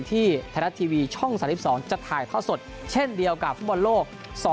ที่ไทยรัฐทีวีช่อง๓๒จะถ่ายทอดสดเช่นเดียวกับฟุตบอลโลก๒๐